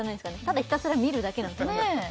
ただひたすら見るだけなんですよね